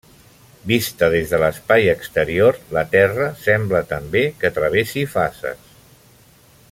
Vista des de l'espai exterior, la Terra sembla també que travessi fases.